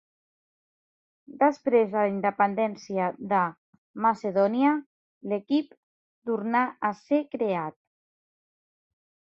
Després de la independència de Macedònia l'equip tornà a ser creat.